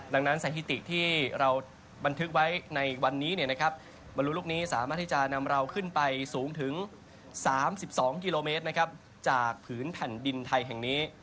ดังนั้นสถิติที่เราบันทึกไว้ในวันนี้บรรลุลูกนี้สามารถที่จะนำเราขึ้นไปสูงถึง๓๒กิโลเมตรจากผืนแผ่นดินไทยแห่งนี้